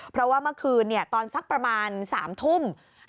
เพราะว่าเมื่อคืนตอนสักประมาณ๓ทุ่ม